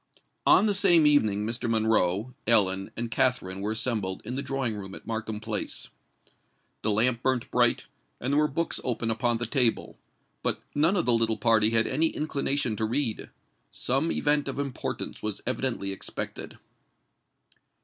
On the same evening Mr. Monroe, Ellen, and Katharine were assembled in the drawing room at Markham Place. The lamp burnt bright, and there were books open upon the table; but none of the little party had any inclination to read:—some event of importance was evidently expected.